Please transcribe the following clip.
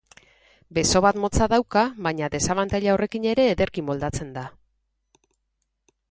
Beso bat motza dauka, baina desabantaila horrekin ere ederki moldatzen da.